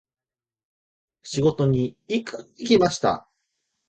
仕事に行きました。